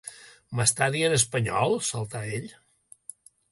M'estàs dient espanyol? —salta ell.